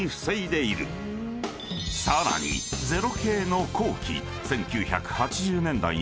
［さらに０系の後期］